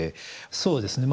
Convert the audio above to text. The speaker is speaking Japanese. そうですね。